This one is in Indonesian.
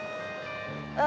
gak ada apa apa